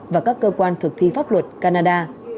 và các cơ quan thực thi pháp luật canada